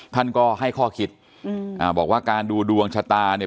ท่านก็ให้ข้อคิดอืมอ่าบอกว่าการดูดวงชะตาเนี่ย